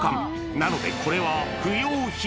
なので、これは不要品。